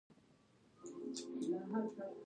له يوې داسې بلا سره ځان ښکېل کړي.